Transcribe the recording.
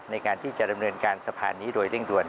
ในการที่จะดำเนินการสะพานนี้โดยเร่งด่วน